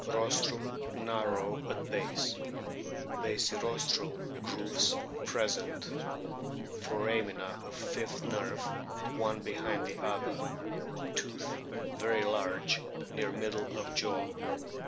* Rostrum narrow at base ; basirostral grooves present ; foramina of fifth nerve one behind the other. Tooth very large, near middle of jaw.